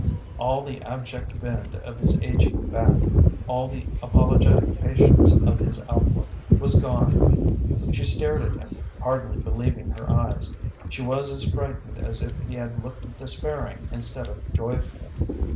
All the abject bend of his aging back, all the apologetic patience of his outlook, was gone. She stared at him, hardly believing her eyes. She was as frightened as if he had looked despairing instead of joyful.